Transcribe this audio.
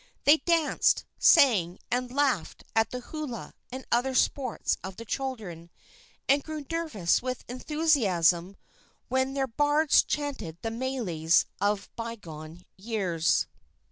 They danced, sang and laughed at the hula and other sports of the children, and grew nervous with enthusiasm when their bards chanted the meles of by gone years.